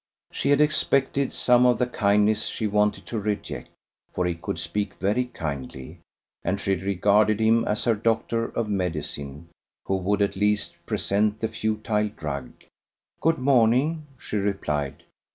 She had expected some of the kindness she wanted to reject, for he could speak very kindly, and she regarded him as her doctor of medicine, who would at least present the futile drug. "Good morning," she replied.